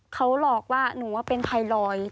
เขาหลอกว่าหนูว่าเป็นไทรอยด์